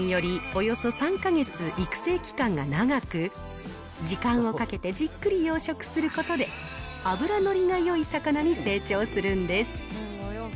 通常のサーモンよりおよそ３か月育成期間が長く、時間をかけてじっくり養殖することで、脂乗りがよい魚に成長するんです。